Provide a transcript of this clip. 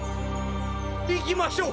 いきましょう！